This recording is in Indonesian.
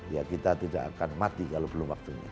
ya kita tidak akan mati kalau belum waktunya